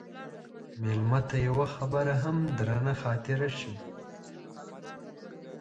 مېلمه ته یوه خبره هم درنه خاطره شي.